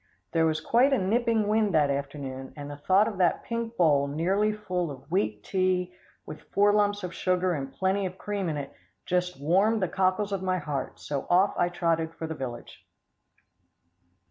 There was quite a nipping wind that afternoon, and the thought of that pink bowl nearly full of weak tea, with four lumps of sugar, and plenty of cream in it, just warmed the cockles of my heart, so off I trotted for the village.